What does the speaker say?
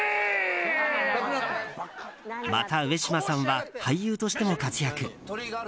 また上島さんは俳優としても活躍。